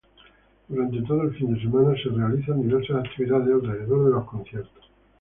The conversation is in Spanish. Durante todo el fin de semana, se realizan diversas actividades alrededor de los conciertos.